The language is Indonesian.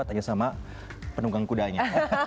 tanya sama penunggang kudanya